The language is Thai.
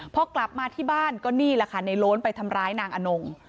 พอกลับมาที่บ้านก็นี่แหละค่ะในโล้นไปทำร้ายนางอนง